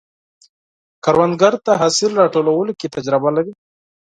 کروندګر د حاصل راټولولو کې تجربه لري